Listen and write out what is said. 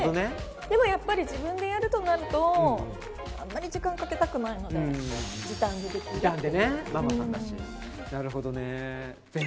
でもやっぱり自分でやるとなるとあんまり時間かけたくないので時短でできるという。